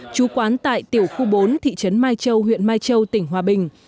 chú quán tại tiểu khu bốn thị trấn mai châu huyện mai châu tỉnh hòa bình